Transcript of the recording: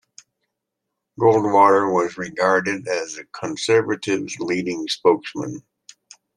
Goldwater was regarded as the conservatives' leading spokesman.